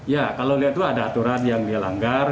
ya kalau lihat itu ada aturan yang dia langgar